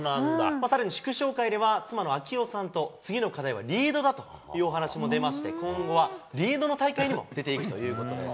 さらに祝勝会では、妻の啓代さんと次の課題はリードだというお話も出まして、今後はリードの大会にも出ていくということです。